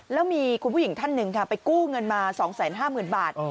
แล้วมีคุณผู้หญิงท่านหนึ่งค่ะไปกู้เงินมา๒๕๐๐๐บาท